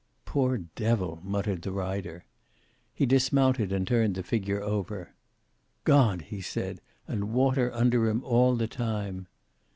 "Poor devil!" muttered the rider. He dismounted and turned the figure over. "God!" he said. "And water under him all the time!"